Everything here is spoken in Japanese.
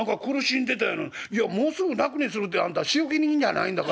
『いやもうすぐ楽にするってあんた仕置人じゃないんだから。